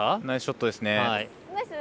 ナイスショットですね。